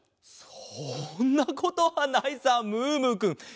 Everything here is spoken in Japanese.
そんなことはないさムームーくん。